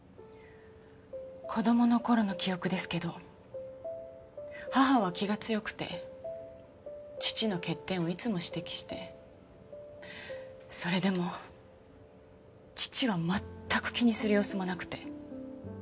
子供の頃の記憶ですけど母は気が強くて父の欠点をいつも指摘してそれでも父は全く気にする様子もなくて。